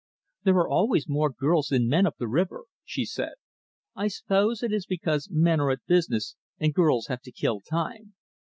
"There are always more girls than men up the river," she said. "I suppose it is because men are at business and girls have to kill time.